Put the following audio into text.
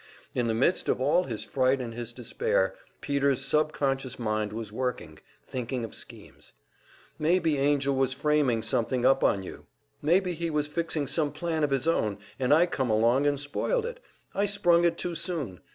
In the midst of all his fright and his despair, Peter's subconscious mind was working, thinking of schemes. "Maybe Angell was framing something up on you! Maybe he was fixing some plan of his own, and I come along and spoiled it; I sprung it too soon.